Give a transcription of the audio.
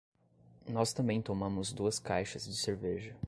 Nós também tomamos duas caixas de cerveja.